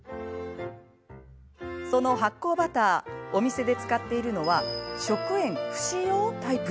その発酵バターお店で使っているのは食塩不使用タイプ。